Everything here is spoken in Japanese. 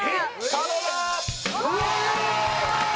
さあ、どうぞ！